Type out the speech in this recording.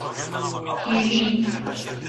🥝 کیوي